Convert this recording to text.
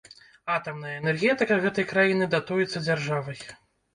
Атамная энергетыка гэтай краіны датуецца дзяржавай.